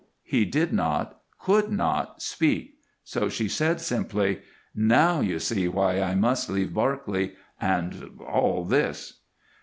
He did not could not speak, so she said, simply: "Now you see why I must leave Barclay, and all this."